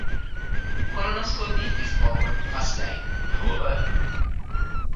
Colonoscopy is often first line, however.